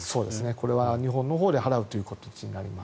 これは日本のほうで払う形になります。